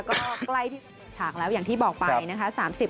ก็ใกล้ที่ฉากแล้วอย่างที่บอกไปนะคะ